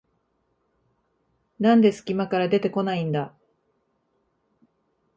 なんですき間から出てこないんだ